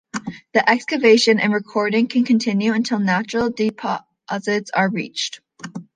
The excavation and recording can continue until natural deposits are reached.